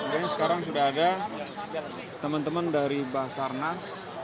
dan sekarang sudah ada teman teman dari basarnas